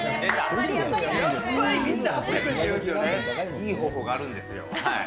いい方法があるんですよ。